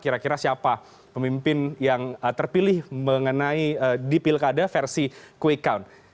kira kira siapa pemimpin yang terpilih mengenai di pilkada versi quick count